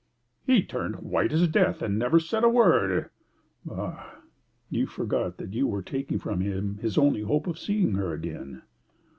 "He turned as white as death, and said never a word." "Ah, you forgot that you were taking from him his only hope of seeing her again!"